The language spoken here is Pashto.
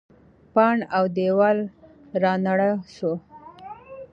پاڼ او دیوال رانړاوه سو.